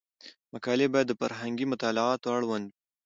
مقالې باید د فرهنګي مطالعاتو اړوند وي.